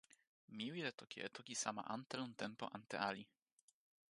mi wile toki e toki sama ante lon tenpo ante Ali.